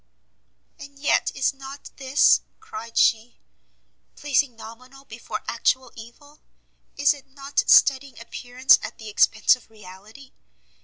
"And yet is not this," cried she, "placing nominal before actual evil? Is it not studying appearance at the expence of reality?